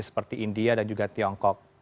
seperti india dan juga tiongkok